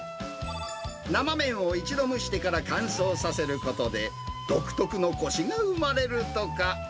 生麺を一度蒸してから乾燥させることで、独特のこしが生まれるとか。